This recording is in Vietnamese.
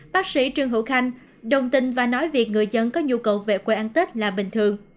bác sĩ trương hữu khanh đồng tin và nói việc người dân có nhu cầu về quê ăn tết là bình thường